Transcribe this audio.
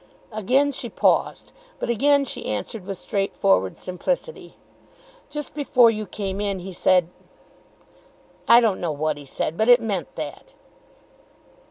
Again she paused. But again she answered with straightforward simplicity. "Just before you came in, he said ; I don't know what he said; but it meant that."